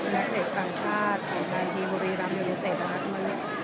นักเด็กต่างชาติของทางทีมบริรัมย์เยอรุเตรรักษ์